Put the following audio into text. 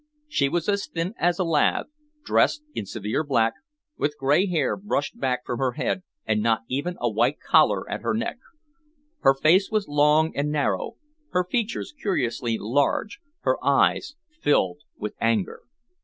She was as thin as a lath, dressed in severe black, with grey hair brushed back from her head and not even a white collar at her neck. Her face was long and narrow, her features curiously large, her eyes filled with anger.